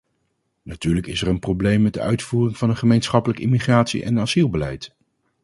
Natuurlijk is er een probleem met de uitvoering van een gemeenschappelijk immigratie- en asielbeleid.